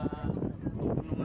terus sama karang karangnya juga